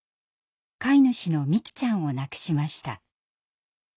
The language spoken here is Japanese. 飼い主のみきちゃんを亡くしました。